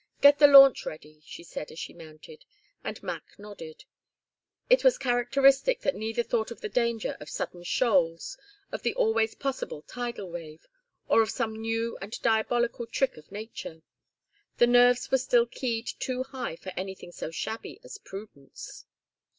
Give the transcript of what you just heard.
"Get the launch ready," she said, as she mounted; and Mac nodded. It was characteristic that neither thought of the danger of sudden shoals, of the always possible tidal wave, or of some new and diabolical trick of nature. The nerves were still keyed too high for anything so shabby as prudence.